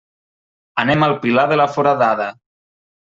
Anem al Pilar de la Foradada.